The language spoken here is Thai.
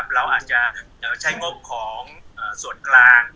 เราอาจจะใช้งบของส่วนกลาง